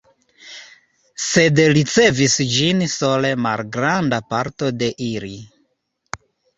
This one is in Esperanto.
Sed ricevis ĝin sole malgranda parto de ili.